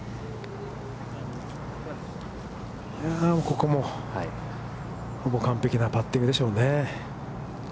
ここも、ほぼ完璧なパッティングでしょうね。